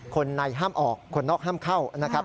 คนในห้ามออกคนนอกห้ามเข้านะครับ